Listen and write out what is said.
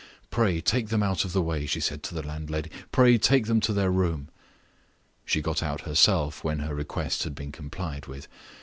"Pray take them out of the way," she said to the landlady; "pray take them to their room." She got out herself when her request had been complied with.